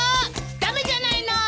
駄目じゃないの！